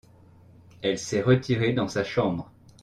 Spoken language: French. elle s'est retirée dans sa chambre.